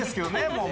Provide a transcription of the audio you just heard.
もう。